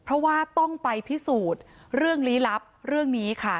เพราะว่าต้องไปพิสูจน์เรื่องลี้ลับเรื่องนี้ค่ะ